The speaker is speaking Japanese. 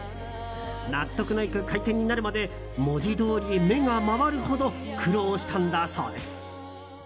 納得のいく回転になるまで文字どおり目が回るほど苦労したんだそうです。